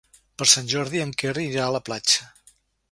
Per Sant Jordi en Quer irà a la platja.